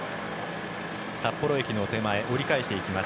札幌駅の手前折り返していきます。